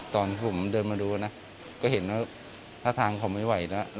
ตอนผมเดินมาดูนะก็เห็นว่าท่าทางเขาไม่ไหวแล้ว